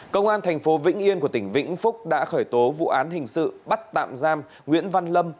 công an thành phố vĩnh yên của tỉnh vĩnh phúc đã khởi tố vụ án hình sự bắt tạm giam nguyễn văn lâm